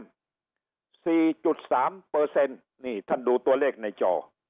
สี่จุดสามเปอร์เซ็นต์นี่ท่านดูตัวเลขในจอ